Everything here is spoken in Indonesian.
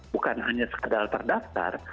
bukan hanya sekadar terdaftar